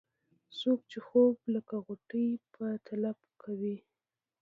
څوک چې خوب لکه غوټۍ په طلب کوي.